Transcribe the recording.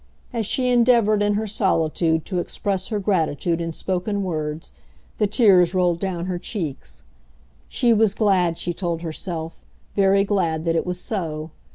As she endeavoured in her solitude to express her gratitude in spoken words the tears rolled down her cheeks. She was glad, she told herself, very glad that it was so.